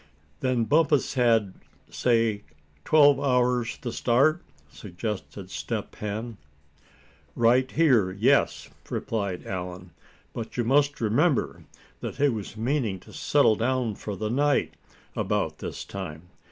"Then Bumpus had, say twelve hours the start?" suggested Step Hen. "Right here, yes," replied Allan. "But you must remember that he was meaning to settle down for the night about this time.